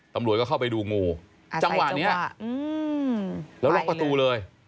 ตำรวจก็เข้าไปดูงูจังหวะนี้แล้วล็อกประตูเลย